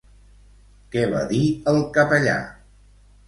Què va dir el capellà?